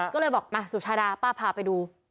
ก็เลยบอกมาสุชาดาป้าพาไปดู